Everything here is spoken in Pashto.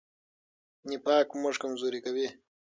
نفاق موږ کمزوري کوي.